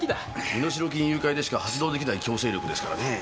身代金誘拐でしか発動出来ない強制力ですからねえ。